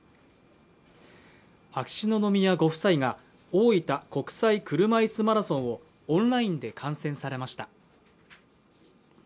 秋篠宮ご夫妻が大分国際車いすマラソンをオンラインで観戦されました。